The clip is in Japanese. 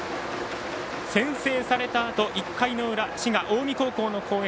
先制されたあと１回の裏滋賀・近江高校の攻撃